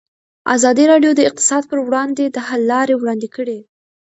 ازادي راډیو د اقتصاد پر وړاندې د حل لارې وړاندې کړي.